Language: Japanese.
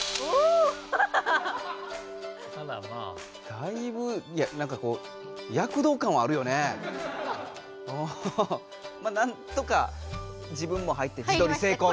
だいぶなんかこうまあなんとか自分も入って自撮り成功と。